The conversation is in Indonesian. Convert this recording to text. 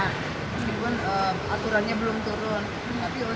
meskipun aturannya belum turun